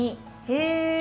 へえ。